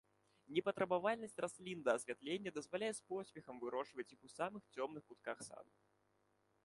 Непатрабавальнасць раслін да асвятлення дазваляе з поспехам вырошчваць іх у самых цёмных кутках саду.